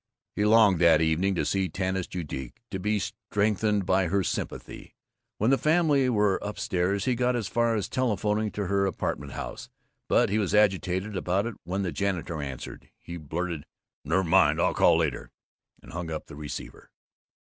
He longed, that evening, to see Tanis Judique, to be strengthened by her sympathy. When all the family were up stairs he got as far as telephoning to her apartment house, but he was agitated about it and when the janitor answered he blurted, "Nev' mind I'll call later," and hung up the receiver.